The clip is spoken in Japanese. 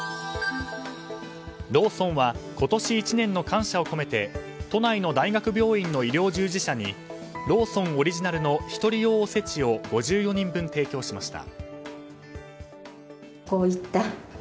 ローソンは今年１年の感謝を込めて都内の大学病院の医療従事者にローソンオリジナルの１人用おせちを５４人分提供しました。